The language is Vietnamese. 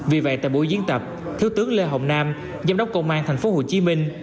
vì vậy tại buổi diễn tập thiếu tướng lê hồng nam giám đốc công an thành phố hồ chí minh